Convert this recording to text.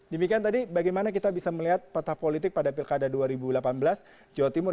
demikian tadi bagaimana kita bisa melihat peta politik pada pilkada dua ribu delapan belas jawa timur